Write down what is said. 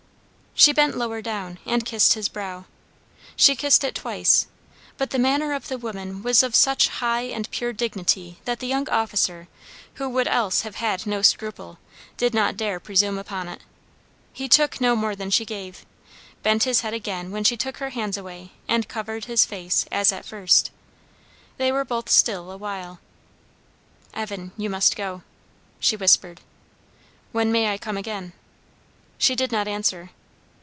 She bent lower down, and kissed his brow. She kissed it twice; but the manner of the woman was of such high and pure dignity that the young officer, who would else have had no scruple, did not dare presume upon it. He took no more than she gave; bent his head again when she took her hands away, and covered his face, as at first. They were both still awhile. "Evan you must go," she whispered. "When may I come again?" She did not answer.